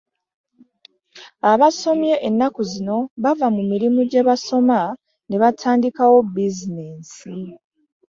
Abasomye ennaku zino bava mu mirimu gye baasoma ne batandikawo bizineesi.